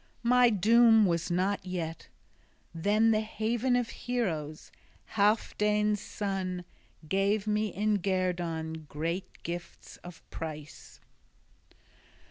My doom was not yet. Then the haven of heroes, Healfdene's son, gave me in guerdon great gifts of price.